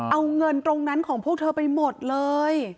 เอาเงินตรงนั้นของพวกเธอไปหมดเลย